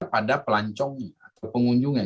pada pelancongnya atau pengunjungnya